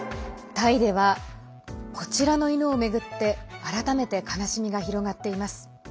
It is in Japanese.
タイではこちらの犬を巡って改めて悲しみが広がっています。